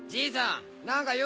何か用か？